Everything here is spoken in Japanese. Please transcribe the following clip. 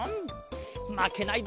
まけないぞ。